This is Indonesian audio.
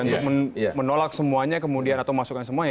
untuk menolak semuanya kemudian atau masukan semuanya